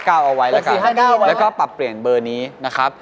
คือเน้น๖๔๕๙เอาไว้แล้วก็แล้วก็ปรับเปลี่ยนเบอร์นี้นะครับ